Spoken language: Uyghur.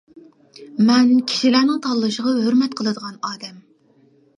مەن كىشىلەرنىڭ تاللىشىغا ھۆرمەت قىلىدىغان ئادەم.